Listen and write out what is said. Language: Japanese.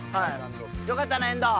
よかったな遠藤。